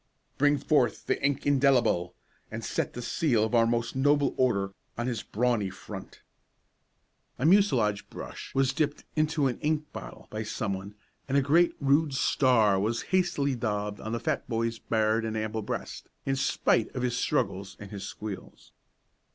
"Bring forth the ink indelible, and set the seal of our most noble order on his brawny front." A mucilage brush was dipped into an ink bottle by some one, and a great rude star was hastily daubed on the fat boy's bared and ample breast, in spite of his struggles and his squeals.